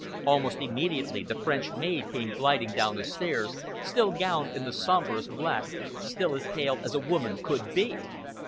Almost immediately, the French maid came gliding down the stairs, still gowned in the sombrest black, still as pale as a woman could be.